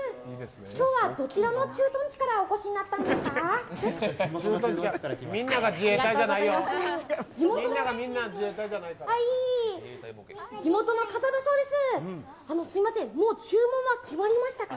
きょうはどちらの駐屯地からお越しになったんですか？